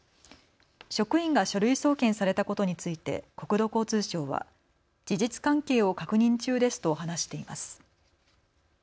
職員が書類送検されたことについて国土交通省は事実関係を確認中ですと話しています。